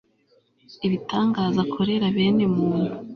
ibitangaza akorera bene muntu